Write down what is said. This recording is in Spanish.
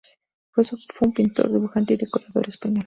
Fue un pintor, dibujante y decorador español.